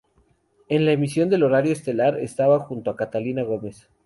En la emisión del horario estelar estaba junto a Catalina Gómez.